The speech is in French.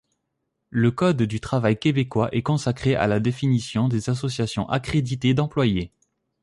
Le Code du travail québécois est consacré à la définition des associations accréditées d'employés.